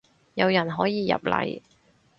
有人可以入嚟